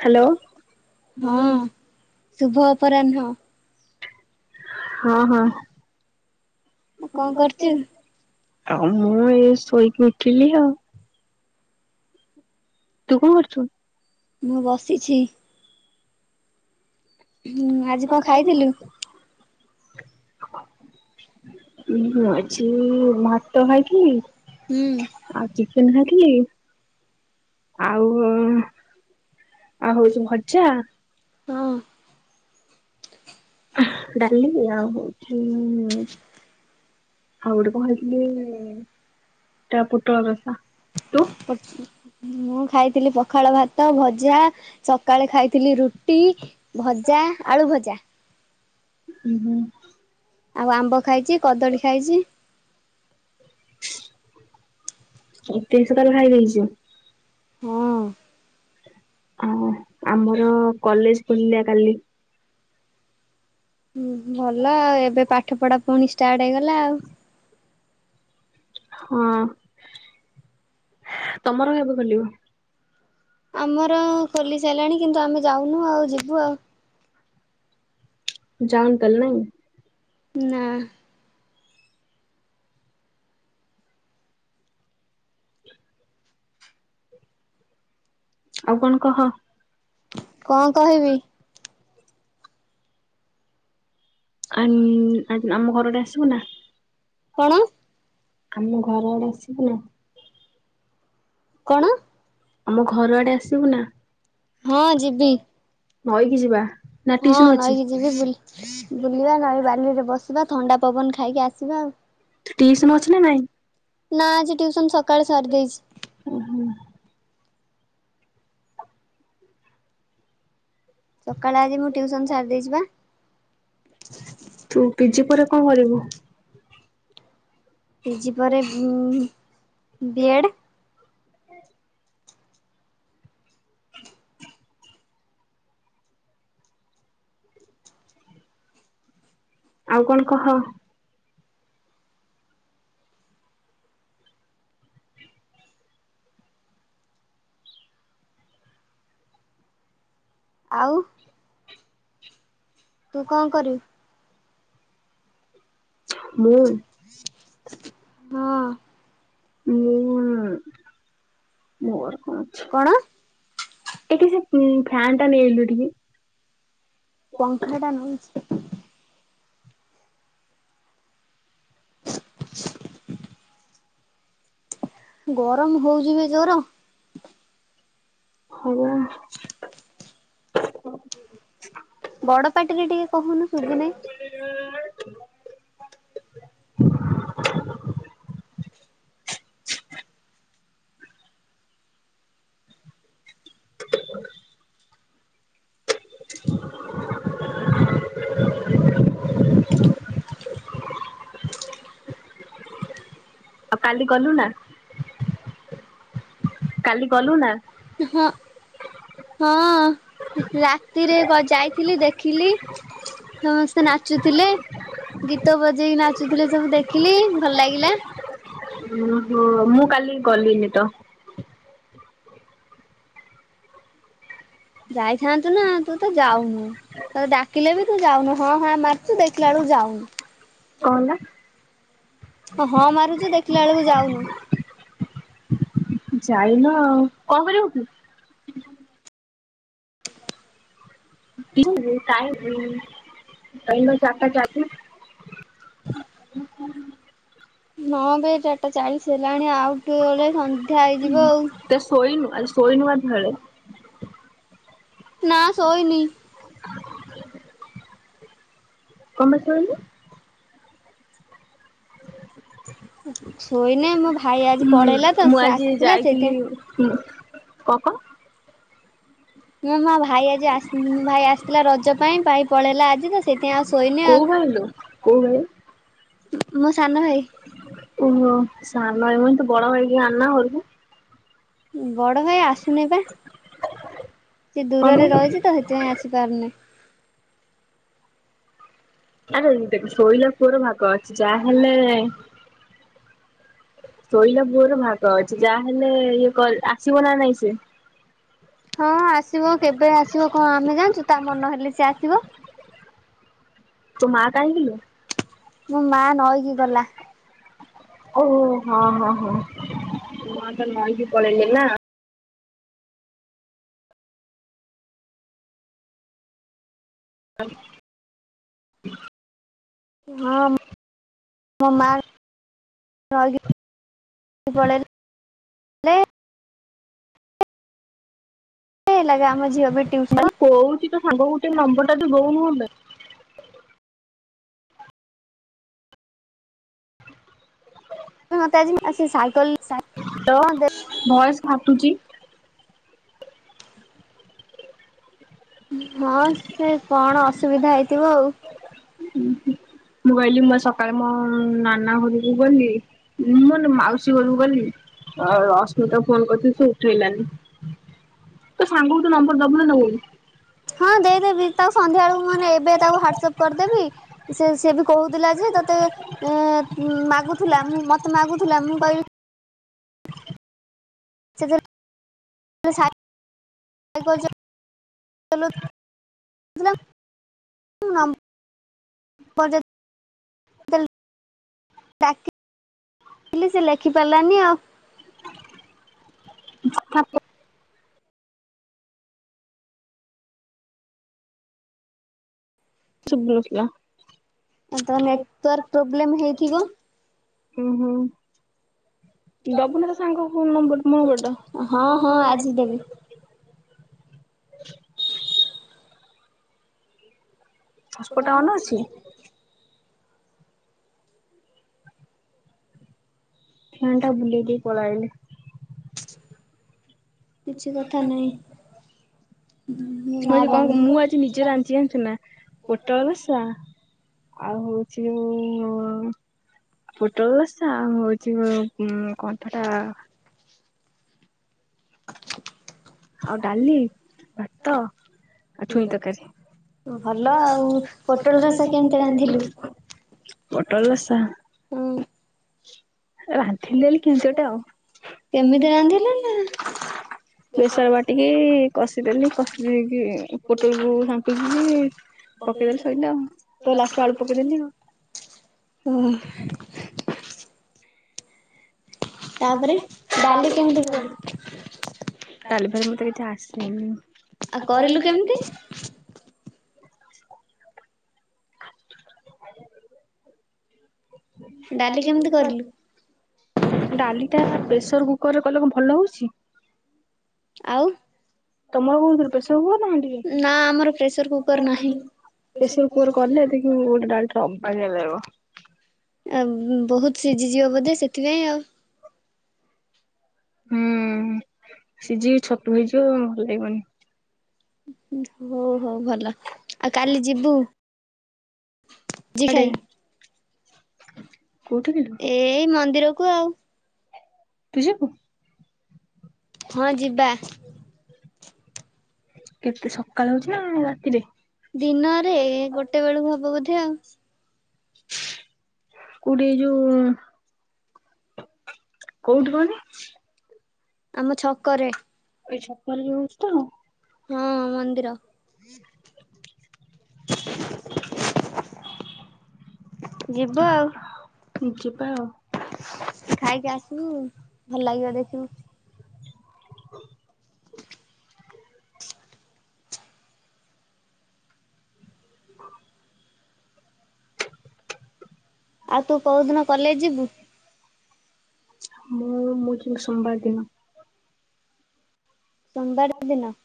Hello, ହୁଁ। ଶୁଭ ଅପରାହ୍ନ। ହଁ ହଁ, କଣ କରୁଚୁ? ଆଉ ମୁଁ ଏ ଶୋଇକି ଉଠିଲି ଆଉ। ତୁ କଣ କରଛୁ। ମୁଁ ବସିଛି। ହୁଁ ଆଜି କଣ ଖାଇଥିଲୁ। ଆଜି ଭାତ ଖାଇଥିଲି ହୁଁ। ଚିକେନ ଆଉ ଆଉ ହଉଚି ଭଜା। ହଁ। ଡାଲି ଆଉ ହଉଛି ଆଉ ଗୋଟେ କଣ ହେଇଥିଲି ତା ପୋଟଳ ରସା। [unintelligible] ମୁଁ ଖାଇଥିଲି ପଖାଳ ଭାତ ଭଜା ସକାଳେ ଖାଇଥିଲି ରୁଟି ଭଜା ଆଳୁ ଭଜା। ହୁ ହୁଁ। ଆଉ ଆମ୍ବ ଖାଇଛି କଦଳୀ ଖାଇଛି। ଏତେ ଜିନିଷ ତାହାଲେ ଖାଇଦେଇଛୁ। ହଁ, ଆଉ ଆମର କଲେଜ ଖୋଲିଲା କାଲି। ହୁଁ ଭଲ ଆଉ ଏବେ ପାଠ ପାଠ ପଢା ପୁଣି ଷ୍ଟାର୍ଟ ହେଇଗଲା ଆଉ। ହଁ ତମର କେବେ ଖୋଲିବ। ଆମର ଖୋଲିସାରିଲାଣି କିନ୍ତୁ ଆମେ ଯାଉନୁ ଆଉ ଯିବୁ ଆଉ। ଯାଉନ ତାହେଲେ ନାଇଁ । ନା। ଆଉ କଣ କହ? କଣ କହିବି? ଆ ଆମ ଘରଟେ ଆସିବୁ ନା? କଣ? ଆମ ଘର ଆଡେ ଆସିବୁ ନା? କଣ? ଆମ ଘର ଆଡେ ଆସିବୁ ନା? ହଁ ଯିବି। ନଇକି ଯିବା। ହଁ ନଈକି ଯିବି ବୁଲି ବୁଲିବା ନଈ ବାଲିରେ ବସିବା। ଥଣ୍ଡା ପବନ ଖାଇକି ଆସିବା ଆଉ। ଟିଉସନ ଅଛି ନା ନାଇଁ? ନା ଆଜି ଟ୍ୟୁସନ ସକାଳ ସାର ଦେଇଚି। ଓ ହୋ। ସକାଳେ ଆଜି ମୁଁ ଟ୍ୟୁସନ ସାରି ଦେଇଚି ବା। ତୁ ପି ଜି ପରେ କଣ କରିବୁ? ପି ଜି ପରେ ଉଁ ବି ଏଡ଼୍। ଆଉ କଣ କହ? ଆଉ? ତୁ କଣ କରିବୁ? ମୁଁ ହଁ। ମୁ ମୋର ଆଛା ଏଠି ସେ ହୁଁ ଫ୍ୟାନ ଟା ନେଇ ଆଇଲୁ ଏଠିକି। ପଙ୍ଖା ଟା ନଉଚି। [unintelligible] ଗରମ ହଉଚି ବେ ଜୋର। ହଁ ବା। ବଡ ପାଟିରେ ଟିକେ କହୁନୁ ଶୁଭୁନାଇ। [inaudible] [unintelligible] [inaudible] ଆଉ କାଲି ଗଲୁ ନା? କାଲି ଗଲୁ ନା? ହଁ ହଁ ରାତିରେ ବା ଯାଇଥିଲି ଦେଖିଲି। ସମସ୍ତେ ନାଚୁଥିଲେ ଗୀତ ବଜେଇକି ନାଚୁଥିଲେ ସବୁ ଦେଖିଲି। ଭଲ ଲାଗିଲା। ହ ମୁଁ କାଲି ଗଲିନି ତ। ଯାଇଥାନ୍ତୁ ନା ତୁ ତ ଯାଉନୁ। ତତେ ଡାକିଲେ ବି ତୁ ଯାଉନୁ ହଁ ହା ମାରୁଚୁ ଦେଖିଲା ବେଳକୁ ଯାଉନୁ। କଣ ହେଲା। ହଁ ମାରୁଚୁ ଦେଖିଲା ବେଳକୁ ଯାଉନୁ। ଯାଇନ ଆଉ କଣ ପାଇଁ ଡାକୁଥିଲୁ? ବେ କାହିଁକି କାହିଁକି ନା ଚାରି ଟା ଚାଳିଶି ନା ବେ ଚାରିଟା ଚାଳିଶ ହେଲାଣି ଆଉ ଟିକେ ଗଲେ ସ ସନ୍ଧ୍ୟା ହେଇଯିବ ଆଉ। ଆଜି ଶୋଇନୁ ଗାଧୁଆ ବେଳେ? ନା ଶୋଇନି। କଣ ପାଇଁ ଶୋଇନୁ? ଶୋଇନି ମୋ ଭା ମୁଁ ଆଜି ଯାଇଥିଲି କଁ କଁ। ମୁଁ ମୋ ଭାଇ ଆଜି ଭାଇ ଆସିଥିଲା ରଜ ପାଇଁ ଭାଇ ପଳେଇଲା ଆଜି ତ ସେ କୋଉ ଭାଇ ଲୋ କୋଉ ଭାଇ ଓ ହୋ ସାନ। ନାଇଁମ ତୋ ବଡ ଭାଇକି ଆଣୁନା ଘରକୁ। ବଡ ଭାଇ ଆସୁନେଇ ବା। ସିଏ ଦୂରରେ ରହିଛି ତ ସେଥିପାଇଁ ଆସି ଜାଣିନି। ଆରେ ଦେଖ ଶୋଇଲା ପୁଅର ଭାଗ ଅଛି ଯାହା ହେଲେ ଶୋଇଲା ପୁଅର ଭାଗ ଅଛି ଯାହା ହେଲେ ଇଏ ଆସିବ ନା ନାଇଁ ସେ। ହଁ ଆସିବ କେବେ ଆସିବ କଣ ଆମେ ଜାଣିଛୁ। ତା ମନ ହେଲେ ସେ ଆସିବ। ତୋ ମା କାଇଁ କିଲୋ? ମୋ ମା ନଇଁ କି ଗଲା। ଓ ହୋ ହଁ ହଁ ହଁ ତୋ ମା ତାହେଲେ ନଇଁ କି ପଳେଇଲେ ନା। [unintelligible] ହଁ ମୋ ମା ନଇଁ କି ସେ ପଳେଇଲା। ଲେ ଲାଗେ ଆମ ଝିଅ ଏବେ ଟିଉସନ୍ ଯିବ। ନମ୍ବର ଟା ତୁ ଦଉନୁ କଣ ପାଇଁ। ମତେ ଆଜି ଆସି ସାଇକଲ ଦେ ହଁ ସେ କଣ ଅ ସୁବିଧା ହେଇ ଥିବ ଆଉ। ହୁଁ ହୁଁ ମୁଁ କହିଲି ମୁ ବା ସକାଳେ ମୋ ନାନା ଘରକୁ ଗଲି ମୁଁ ନା ମାଉସୀ ଘରକୁ ଗଲି ଆଉ ରଶ୍ମିତା ଫୋନ୍ କରୁଛି ସେ ଉଠେଇଲାନି ତୋ ସାଙ୍ଗକୁ ତୋ ନମ୍ବର ଦବୁ ନା ଦବୁନି? ହଁ ଦେଇଦେବି ତାକୁ ସନ୍ଧ୍ୟା ବେଳକୁ ମାନେ ଏବେ ତାକୁ ହ୍ୱଡ୍ ସପ୍ କରିଦେବି ସେ ସିଏ ବି କହୁଥିଲା ଯେ ତତେ ମାଗୁଥିଲା ମୁଁ ମତେ ମାଗୁଥିଲା ମୁଁ କହିଲି ସେ ସାଇକେଲ ଚଲଉଥିଲା ମୁଁ ନମ୍ବର ଦେଲି ଡାକିଲି ସେ ଲେଖିପାରିଲାନି ଆଉ। [unintelligible] ତ ନେଟୱାର୍କ ପ୍ରୋବ୍ଲେମ ହେଇଥିବ। ଉଁ ହୁଁ। ଦବୁନା ସାଙ୍ଗ ଫୋନ ନମ୍ବର ମୋଟ [unintelligible] ହସ୍ପ ଟା ଅନ ଅଛି। ଫେନ ଟା ବୁଲେଇ ଦେଇ ପଳେଇ ଆଇଲି। ତୁ ଆଜି କଣ ମୁଁ ଆଜି ନିଜେ ରାନ୍ଧିଚି ଜାଣିଛୁ ନା ପୋଟଳ ବସା ଆଉ ହଉଛି ଯୋଉ ପୋଟଳ ରସା ଆଉ ହଉଛି କଣ ସେଟା ଆଉ ଡାଲି, ଭାତ ଆଉ ଛୁଇଁ ତରକାରୀ । ପଟୋଳ ରସା। [inaudible] ରାନ୍ଧି ଦେଲି କିମିତି ଗୋଟେ ଆଉ। ଏମିତି ବେସର ବାଟିକି କଷିଦେଲି କଷି ଦେଇକି ପୋଟଳକୁ ଘାଣ୍ଟି ଦେଲି, ପକେଇଦେଲି ସଇଲା, ଆଉ ଲାଷ୍ଟ ରେ ଆଳୁ ପକେଇଦେଲି ଆଉ। ଡାଲି ଫାଲି ମୋତେ କିଛି ଆସେନି। [unintelligible] ଡାଲି କେମିତି କରିଲୁ? ଡାଲିଟା ପ୍ରେସର କୁକରରେ କଲେ କଣ ଭଲ ହଉଚି? ଆଉ? ତମର କୋଉଥିରେ ପ୍ରେସର କୁକର ନା ହାଣ୍ଡି ରେ ପ୍ରେସର କୁର କଲେ ଦେଖିବୁ ଗୋଟେ ଡାଲିଟା ପାଣିଆ ଲାଗିବ। ଆଉ ବହୁତ ସିଝିଯିବ ବୋଧେ ସେଥିପାଇଁ ଆଉ। ହୁଁ। ସିଝିକି ଛତୁ ହେଇଯିବ ଆଉ ଭଲ ଲାଗିବନି। ହଉ ହଉ ଭଲ। ଆଉ କାଲି ଯିବୁ? କୁଆଡେ? [unintelligible] ଏଇ ମନ୍ଦିରକୁ ଆଉ। ତୁ ଯିବୁ? ହଁ ଯିବା। କେତେ ସକାଳ ହଉଚି ନା ରାତିରେ? ଦିନରେ ଗୋଟେ ବେଳକୁ ହବ ବୋଧେ ଆଉ। କୋଉଠି ଏ ଯୋଉ କୋଉଠି କହନି? ଆମ ଛକରେ। ଏଇ ଛକ ରେ ଯଉ ହଉଚି ତ? ହଁ ମନ୍ଦିର। ଯିବ ଆଉ ଖାଇକି ଆସିବୁ ଭଲ ଲାଗିବ ଦେଖିବୁ । [inaudible] [inaudible] ଆଉ ତୁ କୋଉଦିନ କଲେଜ ଯିବୁ । ମୁଁ ମୁଁ ଯିବି ସୋମବାର ଦିନ। ସୋମବାର ଦିନ ।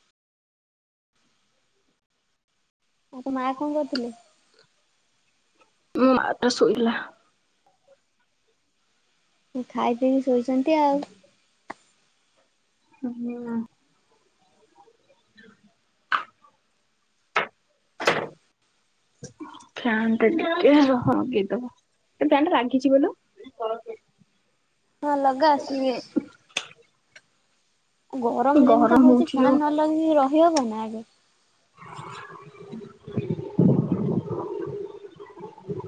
ଆଉ ତୋ ମା କଣ କରୁଥିଲେ । ମୋ ମା ତ ଶୋଇଲା । ଖାଇ ପିଇି ଶୋଉଛନ୍ତି ଆଉ । [unintelligible] ଫ୍ୟାନ ଟିକେ ରହ୍ ଲଗେଇଦବ ଫ୍ୟାନ୍ ଟା ଲାଗିଜିବନା। ହଁ ଲଗା । ଆ ଗରମ ଯେମିତା ହଉଛି ଫ୍ୟାନ୍ ନ ଲଗେଇିକି ରହିହବ ନା ଏବେ ।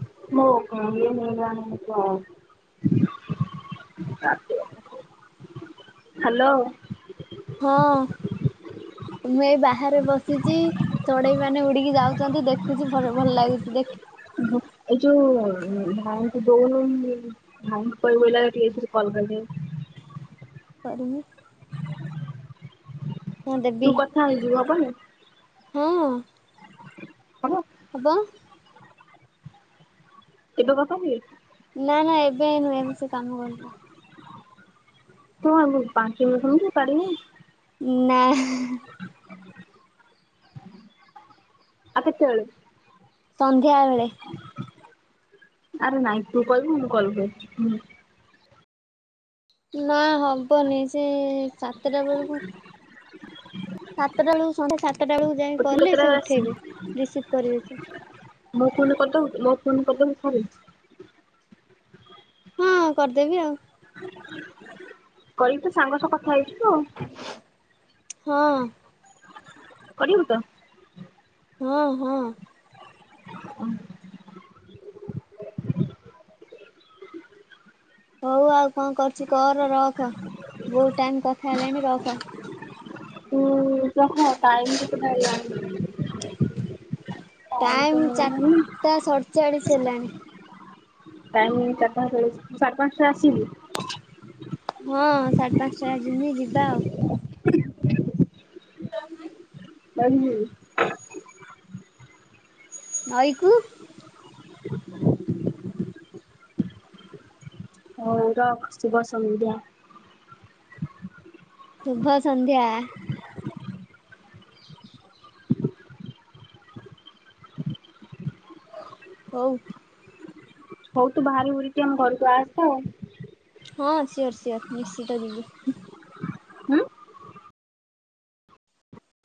[unintelligible] ହାଲୋ ହଁ ମୁଁ ଏ ବାହାରେ ବସିଛି ଚଢେଇ ମାନେ ଉଡିକି ଯାଉଚନ୍ତି ଦେଖୁଛି ଭଲ ଭଲ ଲାଗୁଛି ଦେଖ ଏଇ ଯୋଉ ଭାଇଙ୍କୁ ଦଉନ ଭାଇଙ୍କୁ କହିବନା ଟିକେ ଏଇଥିରେ କଲ କରିବେ। କରିବି ତୁ କଥା ହେଇଯିବୁ ହବନି? ହଁ। ହବ? ହବ। ଏବେ କଥା ହୁଏ । ନା ନା ଏବେ ନୁହେଁ ସେ କାମ କରିଚ ତୁ ଆଗୁରୁ [unintelligible] ପାଞ୍ଚ ନାଁ ହ ହ ହ । ଆଉ କେତବେଳେ? ସନ୍ଧ୍ୟାବେଳେ। ଆରେ ନାଇଁ ତୁ କହିବୁ ମୁଁ କଲ୍ କରିଚି। ନା ହବନି ସେ ସାତଟା ବେଳକୁ ସାତଟା ବେଳେକୁ ସନ୍ଧ୍ୟା ସାତ । ସତଟା ବେଳକୁ ଯାଇ କଲେ ସେ ଉଠେଇବେ ରିସିଭ କରିବେ ସେ। ମୋ ଫୋନରୁ କରିଦବୁ ଥରେ? ହଁ କରିଦେବି ଆଉ। କହିବୁ ତୁ ସାଙ୍ଗ ସହ କଥା ହେଇଛୁ। [unintelligible] ହଁ। କରିବୁ ତ? ହଁ ହଁ। [inaudible] ହଉ ଆଉ କଣ କରୁଛୁ କର ରଖ ବହୁତ ଟାଇମ କଥା ହେଲାଣି ରଖ। ତୁ କହ ଟାଇମ କେତେଟା ହେଲାଣି? ଟାଇମ ଚାରିଟା ସଞ୍ଚାଳିସି ହେଲାଣି। ଟାଇମ୍ ଚାରିଟା ହେଇଚି ସାଢ଼େ ପାଞ୍ଚଟାରେ ଆସିବୁ। ହଁ ସାଢେ ପାଞ୍ଚଟା ଜିମି ଯିବା। [unintelligible] [unintelligible] ନଈକୁ। ହଉ ରଖ ଶୁଭ ସନ୍ଧ୍ୟା। ସୁଭ ସନ୍ଧ୍ୟା। ହଉ। ହଉ ତୁ ବାହାରି ବୁହୁରିକି ଆମ ଘରକୁ ଆସେ ଆଉ। ହଁ ସିଓର୍ ସିଓର ନିଶ୍ଚିତ ଯିବି।